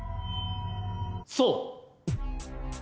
そう。